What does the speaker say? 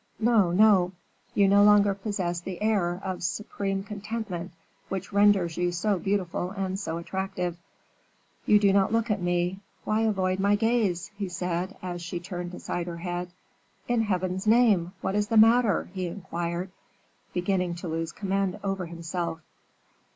"No, no; you no longer possess the air of supreme contentment which renders you so beautiful and so attractive. You do not look at me. Why avoid my gaze?" he said, as she turned aside her head. "In Heaven's name, what is the matter?" he inquired, beginning to lose command over himself.